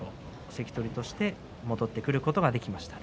関取として戻ってくることができました。